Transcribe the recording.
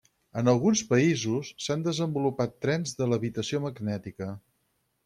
En alguns països s'han desenvolupat trens de levitació magnètica.